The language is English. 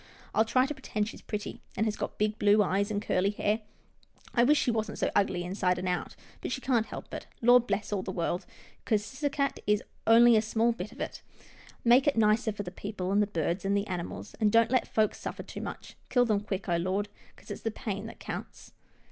I'll try to pretend she's pretty, and has got blue eyes and curly hair. I wish she wasn't so ugly inside and out, but she can't help it — Lord bless all the world, 'cause Ciscasset is only a small bit of it. Make it nicer for the people, and the birds, and the animals, and don't let folks suffer too much. Kill them quick, oh Lord, 'cause it's the pain that counts."